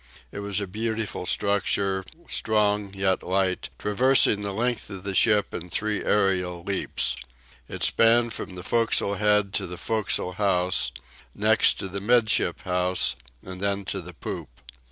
It was a beautiful structure, strong yet light, traversing the length of the ship in three aerial leaps. It spanned from the forecastle head to the forecastle house, next to the 'midship house, and then to the poop.